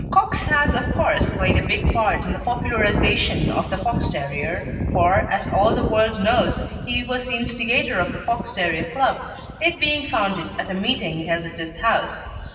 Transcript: Cox has of course played a big part in the popularisation of the Fox terrier, for, as all the world knows, he was the instigator of the Fox terrier Club, it being founded at a meeting held at his house.